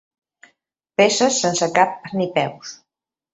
Peces sense cap ni peus.